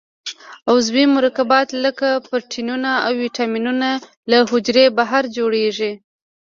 عضوي مرکبات لکه پروټینونه او وېټامینونه له حجرې بهر جوړیږي.